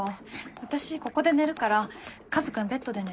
私ここで寝るからカズ君ベッドで寝て。